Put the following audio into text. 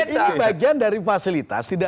ini bagian dari fasilitas